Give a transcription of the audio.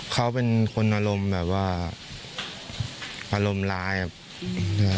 เขาเป็นคนอารมณ์แบบว่าเอารมไรอะ